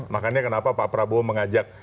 makanya kenapa pak prabowo mengajak